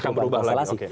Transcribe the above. akan berubah lagi